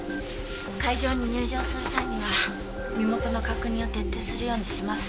会場に入場する際には身元の確認を徹底するようにします